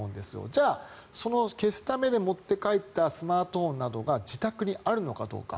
じゃあ消すために持って帰ったスマートフォンなどが自宅にあるのかどうか。